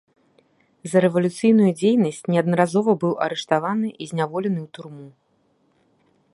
За рэвалюцыйную дзейнасць неаднаразова быў арыштаваны і зняволены ў турму.